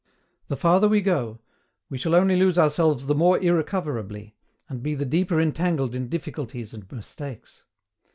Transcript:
The farther we go, we shall only lose ourselves the more irrecoverably, and be the deeper entangled in difficulties and mistakes.